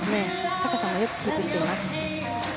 高さもよくキープしています。